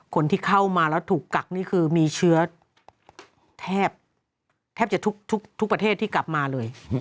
คนที่เข้ามาแล้วถูกกักนี่คือมีเชื้อแทบจะทุกประเทศที่กลับมาเลย